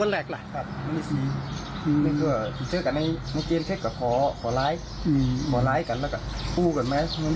แล้วก็ลูกกันหมายที่ทีเต้าสนทีสาขาหลวง